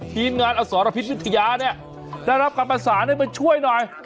ทีมงานอสรพิษวิทยาเนี่ยได้รับการประสานให้มาช่วยหน่อย